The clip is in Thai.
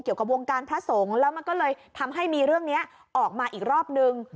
เกี่ยวกับวงการพระสงฆ์แล้วมันก็เลยทำให้มีเรื่องนี้ออกมาอีกรอบนึง